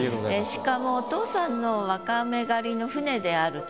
しかもお父さんのわかめ狩りの船であると。